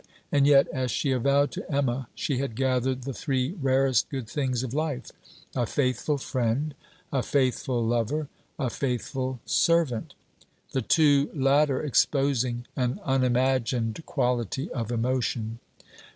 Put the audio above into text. And yet, as she avowed to Emma, she had gathered the three rarest good things of life: a faithful friend, a faithful lover, a faithful servant: the two latter exposing an unimagined quality of emotion.